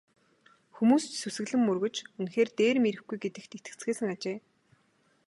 Хүмүүс ч сүсэглэн мөргөж үнэхээр дээрэм ирэхгүй гэдэгт итгэцгээсэн ажээ.